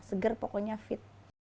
seger pokoknya fit